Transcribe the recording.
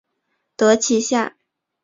得其下